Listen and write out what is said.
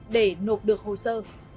để nộp được hồ sơ